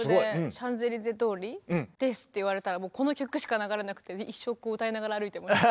シャンゼリゼ通りですって言われたらもうこの曲しか流れなくて一生こう歌いながら歩いてました。